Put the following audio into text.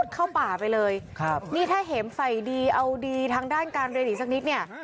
เข้าป่าไปเลยครับนี่ถ้าเห็มใส่ดีเอาดีทางด้านการเรียนอีกสักนิดเนี่ย